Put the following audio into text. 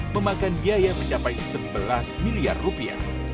memakan biaya mencapai sebelas miliar rupiah